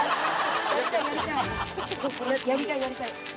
やりたいやりたい。